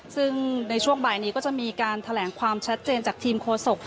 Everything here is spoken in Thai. ซึ่งในช่วงบ่ายนี้ก็จะมีการแถลงความชัดเจนจากทีมโฆษก